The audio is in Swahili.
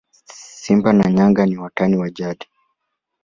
simba na yanga ni watani wa jadi